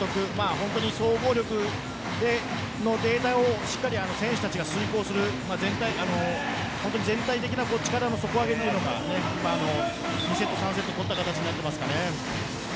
本当に総合力でデータをしっかり選手たちが遂行する全体的な力の底上げが２セット、３セット目取った形ですかね。